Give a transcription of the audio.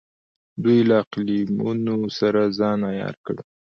دوی له اقلیمونو سره ځان عیار کړ.